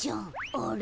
あれ？